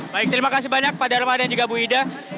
baik terima kasih banyak pak darma dan juga bu ida